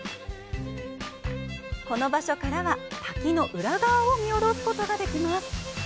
この場所からは滝の裏側を見下ろすことができます。